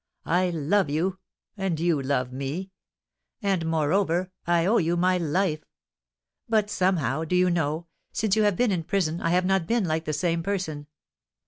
I love you, and you love me; and, moreover, I owe you my life. But somehow, do you know, since you have been in prison I have not been like the same person.